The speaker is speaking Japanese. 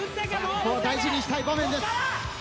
ここは大事にしたい場面です。